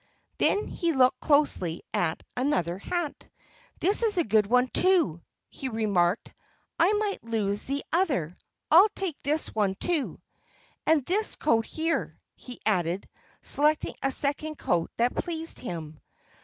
Then he looked closely at another hat. "This is a good one, too!" he remarked. "I might lose the other. I'll take this one, too and this coat here," he added, selecting a second coat that pleased him.